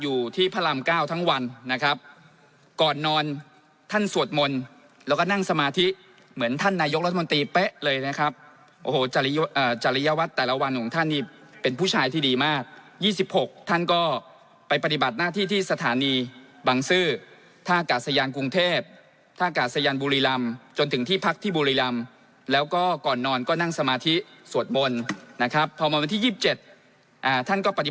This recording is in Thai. อยู่ที่พระรามเก้าทั้งวันนะครับก่อนนอนท่านสวดมนต์แล้วก็นั่งสมาธิเหมือนท่านนายกรัฐมนตรีเป๊ะเลยนะครับโอ้โหจริยวัตรแต่ละวันของท่านนี่เป็นผู้ชายที่ดีมาก๒๖ท่านก็ไปปฏิบัติหน้าที่ที่สถานีบังซื้อท่ากาศยานกรุงเทพท่ากาศยานบุรีรำจนถึงที่พักที่บุรีรำแล้วก็ก่อนนอนก็นั่งสมาธิสวดมนต์นะครับพอมาวันที่๒๗ท่านก็ปฏิ